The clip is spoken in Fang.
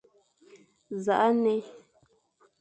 Nẑakh nne,